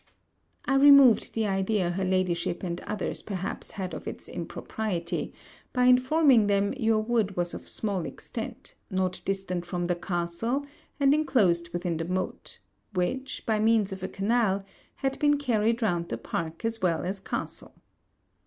I removed the idea her Ladyship and others perhaps had of its impropriety, by informing them your wood was of small extent, not distant from the castle, and inclosed within the moat, which, by means of a canal, had been carried round the park as well as castle.